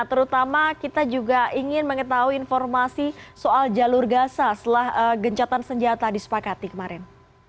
terutama kita juga ingin mengetahui informasi soal jalur gaza setelah gencatan senjata disepakati kemarin